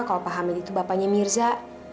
kalau pak amin itu bapanya mirza